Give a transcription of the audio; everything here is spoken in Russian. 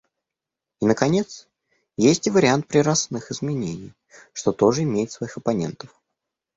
И наконец, есть и вариант приростных изменений, что тоже имеет своих оппонентов.